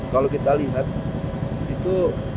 kalau kita lihat itu